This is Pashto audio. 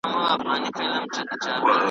بس یو نوبت وو درته مي تېر کړ .